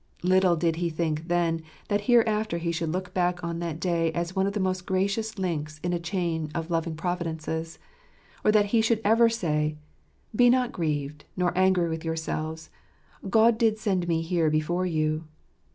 Little did he think then that hereafter he should look back on that day as one of the most gracious links in a chain of loving providences ; or that he should ever say, "Be not grieved, nor angry with your' selves : God did send me here before you."